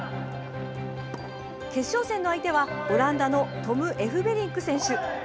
決勝戦の相手はオランダのトム・エフべリンク選手。